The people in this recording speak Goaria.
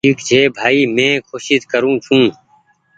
ٺيڪ ڇي ڀآئي مينٚ ڪوشش ڪررو ڇوٚنٚ